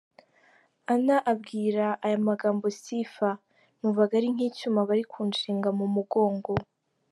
Anna abwira aya magambo Sifa, numvaga ari nk’icyuma bari kunshinga mu mugongo.